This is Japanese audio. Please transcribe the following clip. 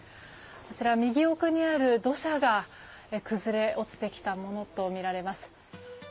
こちら右奥にある土砂が崩れ落ちてきたものとみられます。